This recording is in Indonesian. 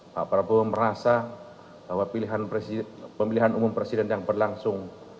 pak prabowo merasa bahwa pemilihan umum presiden yang berlangsung